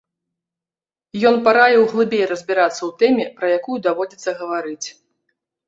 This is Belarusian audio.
Ён параіў глыбей разбірацца ў тэме, пра якую даводзіцца гаварыць.